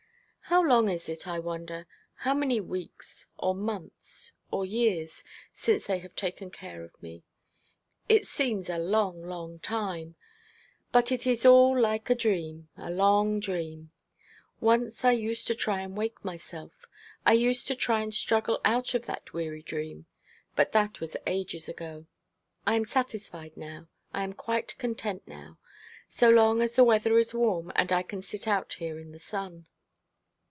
How long is it, I wonder how many weeks, or months, or years, since they have taken care of me? It seems a long, long time; but it is all like a dream a long dream. Once I used to try and wake myself. I used to try and struggle out of that weary dream. But that was ages ago. I am satisfied now I am quite content now so long as the weather is warm, and I can sit out here in the sun.'